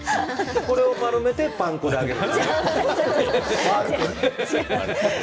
これを丸めてパン粉で揚げる。